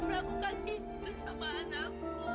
kalau kamu suka sama anakku